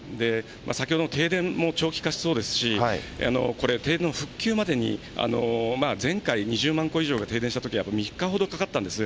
先ほどの停電も長期化しそうですし、これ、停電の復旧までに、前回、２０万戸以上が停電したときは、３日ほどかかったんです。